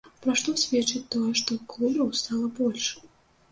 Пра што сведчыць тое, што клубаў стала больш?